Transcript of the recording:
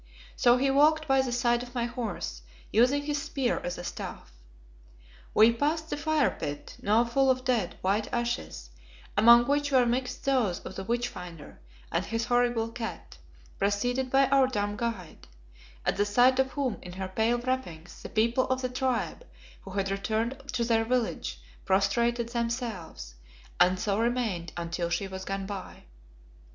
So he walked by the side of my horse, using his spear as a staff. We passed the fire pit now full of dead, white ashes, among which were mixed those of the witch finder and his horrible cat preceded by our dumb guide, at the sight of whom, in her pale wrappings, the people of the tribe who had returned to their village prostrated themselves, and so remained until she was gone by.